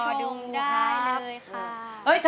ขอดูได้เลยค่ะ